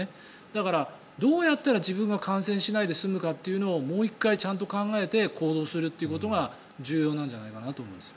だから、どうやったら自分が感染しないで済むかをもう１回ちゃんと考えて行動するということが重要なんじゃないかなと思います。